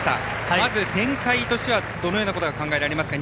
まず、展開としてはどのようなことが考えられますか。